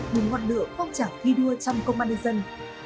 cùng ngọn lửa phong trào thi đua trong công an nhân dân